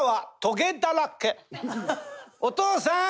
「お父さーん！